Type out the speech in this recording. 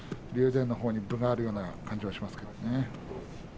電のほうに分があるような気がしますがね。